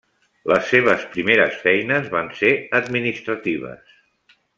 Les seves primeres feines van ser administratives.